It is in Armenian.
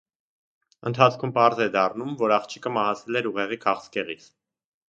Ընթացքում պարզ է դառնում, որ աղջիկը մահացել էր ուղեղի քաղցկեղից։